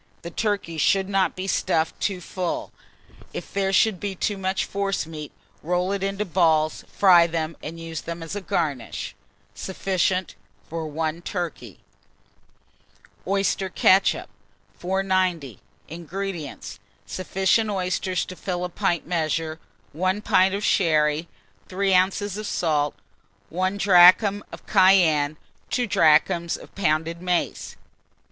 The turkey should not be stuffed too full: if there should be too much forcemeat, roll it into balls, fry them, and use them as a garnish. Sufficient for 1 turkey. OYSTER KETCHUP. 490. INGREDIENTS. Sufficient oysters to fill a pint measure, 1 pint of sherry, 3 oz. of salt, 1 drachm of cayenne, 2 drachms of pounded mace.